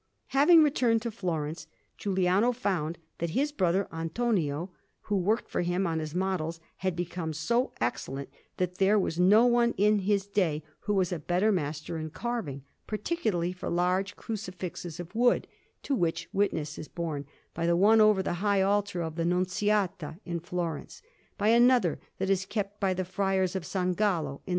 Having returned to Florence, Giuliano found that his brother Antonio, who worked for him on his models, had become so excellent, that there was no one in his day who was a better master in carving, particularly for large Crucifixes of wood; to which witness is borne by the one over the high altar of the Nunziata in Florence, by another that is kept by the Friars of S. Gallo in S.